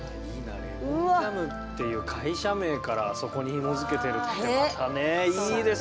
レモンジャムっていう会社名からあそこにひもづけてるってまたねいいですね。